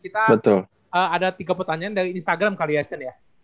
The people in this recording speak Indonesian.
kita ada tiga pertanyaan dari instagram kali ya cen ya